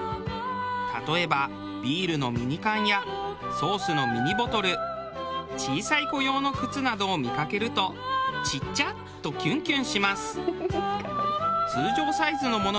例えばビールのミニ缶やソースのミニボトル小さい子用の靴などを見かけると「ちっちゃっ！」とキュンキュンします。